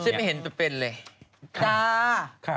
จ๊ะ